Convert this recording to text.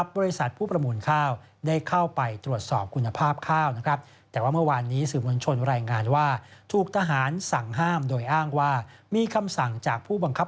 ผมตอบไปเดี๋ยวผิดเดี๋ยวคุณก็ว่าผมอีกนะครับ